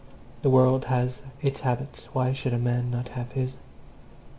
The world has its habits, why should a man not have his?